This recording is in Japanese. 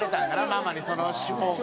ママにその手法が。